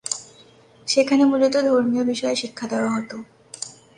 সেখানে মূলত ধর্মীয় বিষয়ে শিক্ষা দেয়া হতো।